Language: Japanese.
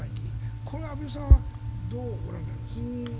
これ、畔蒜さんはどうご覧になりますか。